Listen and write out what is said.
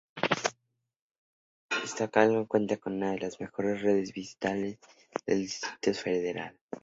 Iztacalco cuenta con una de las mejores redes viales del Distrito Federal.